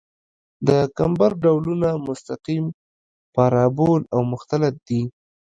د کمبر ډولونه مستقیم، پارابول او مختلط دي